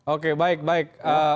oke baik baik